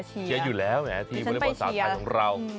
เชียร์อยู่แล้วแหมทีมวอเล็กบอลสาวไทยของเรา